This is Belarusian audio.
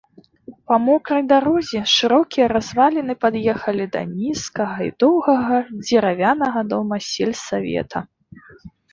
Па мокрай дарозе шырокія разваліны пад'ехалі да нізкага і доўгага дзеравянага дома сельсавета.